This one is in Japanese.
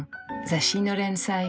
雑誌の連載